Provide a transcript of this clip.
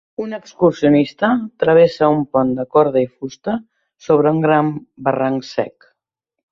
Un excursionista travessa un pont de corda i fusta sobre un gran barranc sec.